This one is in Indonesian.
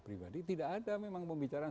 pribadi tidak ada memang pembicaraan